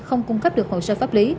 không cung cấp được hồ sơ pháp lý